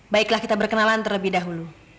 baiklah kita berkenalan terlebih dahulu